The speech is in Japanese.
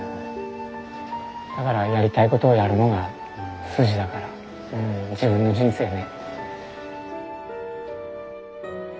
だからやりたいことをやるのが筋だからうん自分の人生ね。